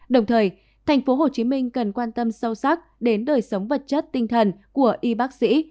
đồng thời tp hcm cần quan tâm sâu sắc đến đời sống vật chất tinh thần của y bác sĩ